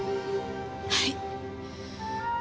はい。